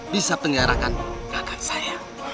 bisa penggarakan kakak saya